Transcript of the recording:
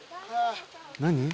「何？」